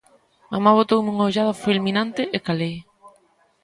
Mamá botoume unha ollada fulminante e calei.